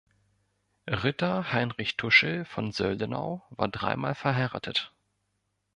Ritter Heinrich Tuschl von Söldenau war dreimal verheiratet.